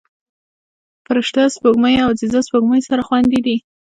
فرشته سپوږمۍ او عزیزه سپوږمۍ سره خویندې دي